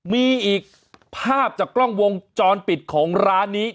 มีอีกภาพจากกล้องวงจรปิดของร้านนี้